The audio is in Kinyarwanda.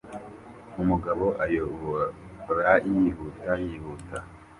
Umugabo ayoborayihuta yihuta